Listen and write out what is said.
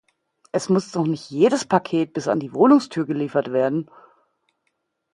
Es muss doch nicht jedes Paket bis an die Wohnungstür geliefert werden.